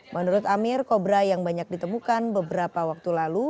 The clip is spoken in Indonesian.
menurut amir kobra yang banyak ditemukan beberapa waktu lalu